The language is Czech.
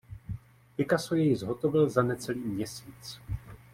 Picasso jej zhotovil za necelý měsíc.